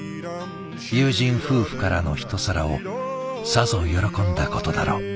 友人夫婦からのひと皿をさぞ喜んだことだろう。